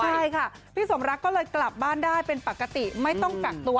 ใช่ค่ะพี่สมรักก็เลยกลับบ้านได้เป็นปกติไม่ต้องกักตัว